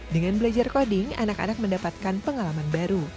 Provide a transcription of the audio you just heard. dengan belajar koding anak anak mendapatkan pengalaman baru